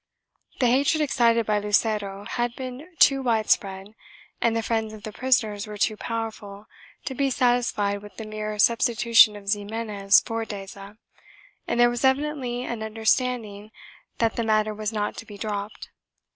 The hatred excited by Lucero had been too wide spread and the friends of the prisoners were too powerful to be satisfied with the mere substitution of Ximenes for Deza, and there was evidently an understanding that the matter was not to be dropped.